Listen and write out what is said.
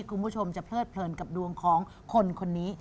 คุณผู้ชมจะเพลิดเพลินกับดวงของคนคนนี้